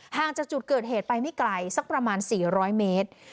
ห่างจากจุดเกิดเหตุไปไม่ไกลสักประมาณ๔๐๐เมตร